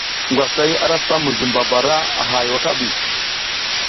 Ngwasay ara sam muzum babara a hay wakaɓi.